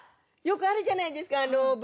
よくあるじゃないですか。